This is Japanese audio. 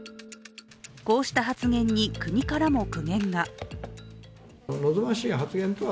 こうした発言に国からも苦言が。